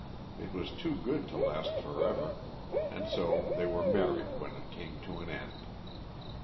It was too good to last for ever, and so they were married when it came to an end.